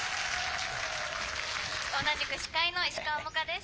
「同じく司会の石川萌香です。